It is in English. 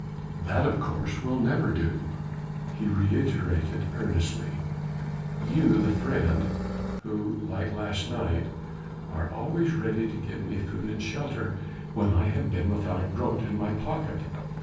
That of course will never do," he reiterated earnestly. "You the friend, who, like last night, are always ready to give me food and shelter when I have been without a grote in my pocket.